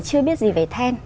chưa biết gì về then